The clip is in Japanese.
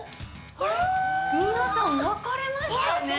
皆さん分かれましたね。